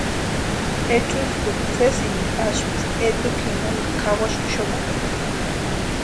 Echuskuta sésimintu asïpisïnti etukwa jinkoni ka kʼawasï xumakata.